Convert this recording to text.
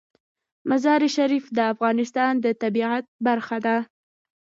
مزارشریف د افغانستان د طبیعت برخه ده.